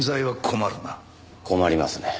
困りますね。